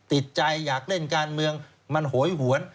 ติดใจอยากเล่นการเมืองมันโหยหวน